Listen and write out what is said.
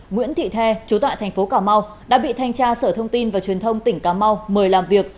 nguyễn thị the trú tại thành phố cà mau đã bị thanh tra sở thông tin và truyền thông tỉnh cà mau mời làm việc